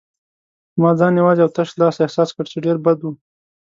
ما ځان یوازې او تش لاس احساس کړ، چې ډېر بد و.